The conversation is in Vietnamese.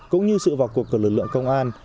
cũng như sự vào cuộc của lực lượng công an